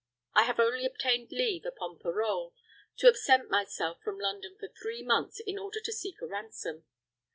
I have only obtained leave upon parole, to absent myself from London for three months, in order to seek a ransom.